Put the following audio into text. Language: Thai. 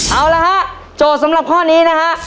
เอาละฮะโจทย์สำหรับข้อนี้นะฮะ